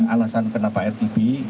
alasan kenapa rtb